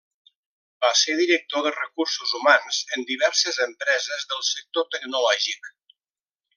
Va ser director de recursos humans en diverses empreses del sector tecnològic.